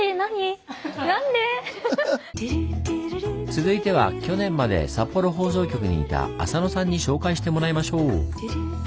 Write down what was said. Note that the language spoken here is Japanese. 続いては去年まで札幌放送局にいた浅野さんに紹介してもらいましょう！